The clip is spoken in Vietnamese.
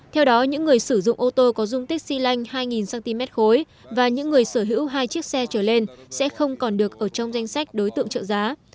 theo đó những người sử dụng ô tô có dung tích xy lanh hai cm khối và những người sở hữu hai chiếc xe trở lên sẽ không còn được ở trong danh sách đối tượng trợ giá